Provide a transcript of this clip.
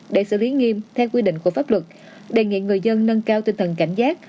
để xử lý nghiêm theo quy định của pháp luật đề nghị người dân nâng cao tinh thần cảnh giác